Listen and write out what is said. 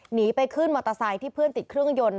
หนีไปขึ้นมอเตอร์ไซค์ที่เพื่อนติดเครื่องยนต